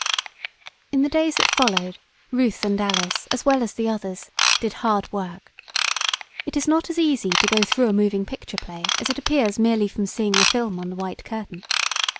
In the days that followed, Ruth and Alice, as well as the others, did hard work. It is not as easy to go through a moving picture play as it appears merely from seeing the film on the white curtain.